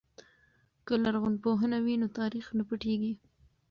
که لرغونپوهنه وي نو تاریخ نه پټیږي.